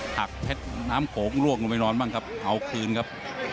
หักแพ็ดน้ำโขลงถูกลวกลงไปนอนเอาคืนครับ